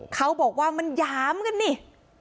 เขาบอกว่ามันหยามกันนี่